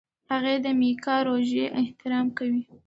هغې د میکا روژې احترام کوي.